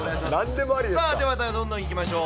さあ、ではどんどんいきましょう。